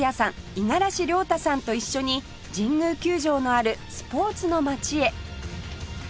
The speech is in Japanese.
五十嵐亮太さんと一緒に神宮球場のあるスポーツの街へ